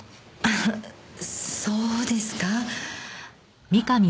あそうですか？